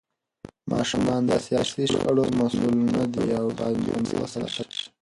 ماشومان د سياسي شخړو مسوول نه دي او بايد خوندي وساتل شي.